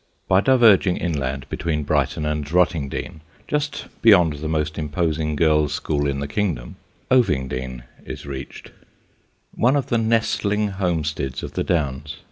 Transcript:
By diverging inland between Brighton and Rottingdean, just beyond the most imposing girls' school in the kingdom, Ovingdean is reached, one of the nestling homesteads of the Downs.